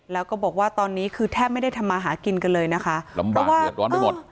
แล้วก็บอกว่าตอนนี้คือแทบไม่ได้ทำมาหากินกันเลยนะคะลำบากเดือดร้อนไปหมด